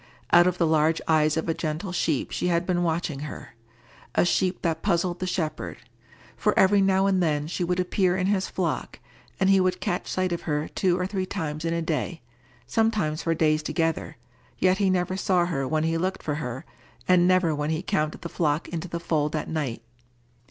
Out of the large eyes of a gentle sheep she had been watching her—a sheep that puzzled the shepherd; for every now and then she would appear in his flock, and he would catch sight of her two or three times in a day, sometimes for days together, yet he never saw her when he looked for her, and never when he counted the flock into the fold at night.